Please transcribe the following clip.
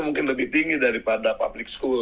mungkin lebih tinggi daripada public school